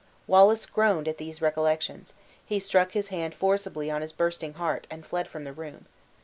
Wallace groaned at these recollections; he struck his hand forcibly on his bursting heart, and fled from the room.